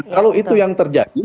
kalau itu yang terjadi